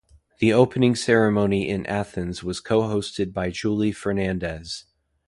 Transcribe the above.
The opening ceremony in Athens was co-hosted by Julie Fernandez.